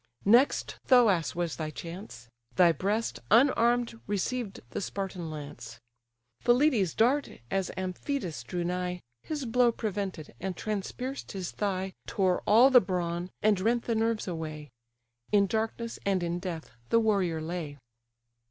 Next, Thoas was thy chance; Thy breast, unarm'd, received the Spartan lance. Phylides' dart (as Amphidus drew nigh) His blow prevented, and transpierced his thigh, Tore all the brawn, and rent the nerves away; In darkness, and in death, the warrior lay.